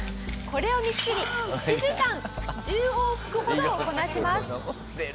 「これをみっちり１時間１０往復ほどをこなします」